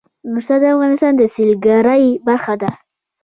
نورستان د افغانستان د سیلګرۍ برخه ده.